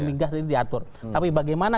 migas ini diatur tapi bagaimana